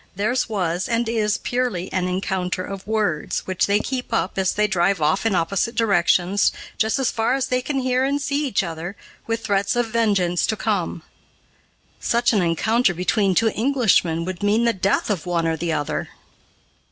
Theirs was and is purely an encounter of words, which they keep up, as they drive off in opposite directions, just as far as they can hear and see each other, with threats of vengeance to come. Such an encounter between two Englishmen would mean the death of one or the other.